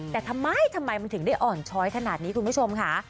แต่ทำไมทำไมมันถึงได้อ่อนช้อยขนาดนี้คุณผู้ชมค่ะ